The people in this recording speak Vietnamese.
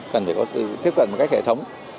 cần phải có sự tiếp cận với các hệ thống